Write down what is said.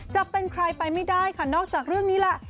จะเป็นใครไปไม่ได้ค่ะนอกจากเรื่องนี้แหละ